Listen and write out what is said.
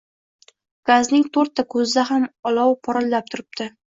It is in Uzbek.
Gazning to`rtta ko`zida ham olov porillab turibdi